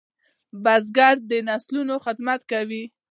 بزګر د نسلونو خدمت کوي